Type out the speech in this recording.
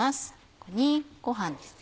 ここにご飯ですね。